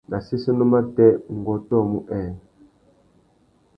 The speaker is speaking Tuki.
Nà séssénô matê, ngu ôtōmú nhêê.